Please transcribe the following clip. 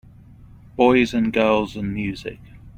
Boys and girls and music.